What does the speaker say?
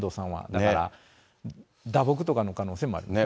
だから打撲とかの可能性もありますね。